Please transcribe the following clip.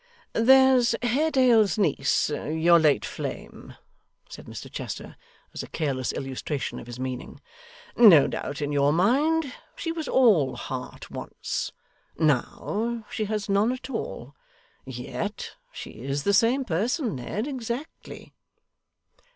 'There's Haredale's niece, your late flame,' said Mr Chester, as a careless illustration of his meaning. 'No doubt in your mind she was all heart once. Now she has none at all. Yet she is the same person, Ned, exactly.